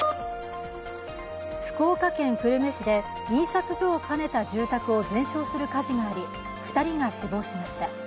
福岡県久留米市で印刷所を兼ねた住宅を全焼する火事があり２人が死亡しました。